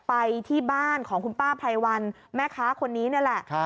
ไปที่บ้านของคุณป้าไพรวันแม่ค้าคนนี้นี่แหละ